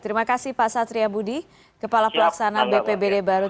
terima kasih pak satria budi kepala pelaksana bpbd baru